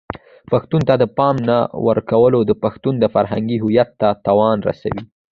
پښتو ته د پام نه ورکول د پښتنو د فرهنګی هویت ته تاوان رسوي.